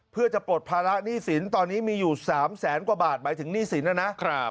เพื่อจะปลดภาระหนี้สินตอนนี้มีอยู่๓แสนกว่าบาทหมายถึงหนี้สินนะนะ